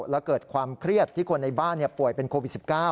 และเกิดความเครียดที่คนในบ้านป่วยเป็นโควิด๑๙